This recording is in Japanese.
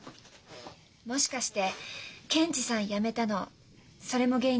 もしかして検事さん辞めたのそれも原因だったりして？